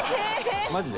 マジで？